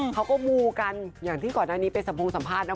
เขาก็มูกันอย่างที่ก่อนหน้านี้ไปสัมพงสัมภาษณ์